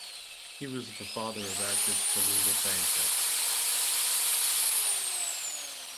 He was the father of actress Tallulah Bankhead.